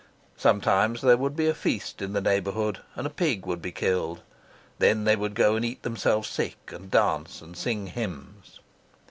Sometimes there would be a feast in the neighbourhood, and a pig would be killed. Then they would go and eat themselves sick, and dance, and sing hymns.